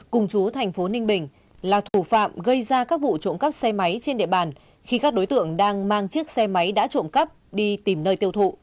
cùng chú thành phố ninh bình là thủ phạm gây ra các vụ trộm cắp xe máy trên địa bàn khi các đối tượng đang mang chiếc xe máy đã trộm cắp đi tìm nơi tiêu thụ